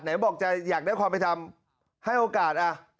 ไหนบอกจะอยากได้ความเป็นธรรมให้โอกาสอ่ะ